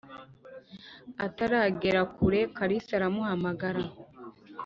ataragera kure kalisa aramuhamagara